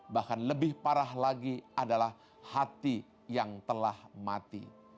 bahkan lebih parah lagi adalah hati yang telah mati